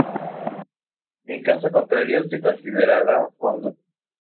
En caso contrario, se considerará fondo.